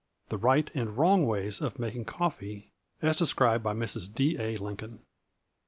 _The Right and Wrong Ways of Making Coffee, as Described by Mrs. D. A. Lincoln.